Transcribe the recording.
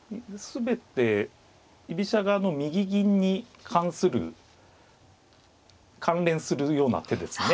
全て居飛車側の右銀に関する関連するような手ですね。